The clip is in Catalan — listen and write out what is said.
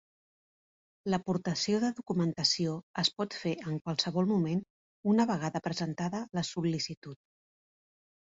L'aportació de documentació es pot fer en qualsevol moment una vegada presentada la sol·licitud.